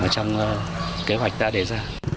trong kế hoạch ta đề ra